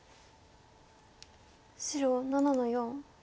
白７の四。